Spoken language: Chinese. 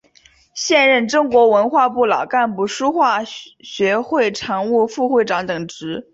现任中国文化部老干部书画学会常务副会长等职。